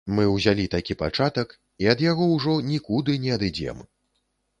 Мы ўзялі такі пачатак і ад яго ўжо нікуды не адыдзем.